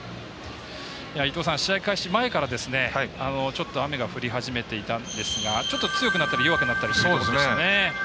伊東さん、試合開始前からちょっと雨が降り始めていたんですがちょっと、強くなったり弱くなったりしてきましたね。